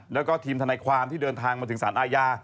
แล้วก็ทีมทนายความที่เดินทางมาถึงสารอาญา